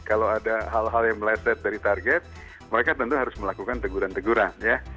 kalau ada hal hal yang meleset dari target mereka tentu harus melakukan teguran teguran ya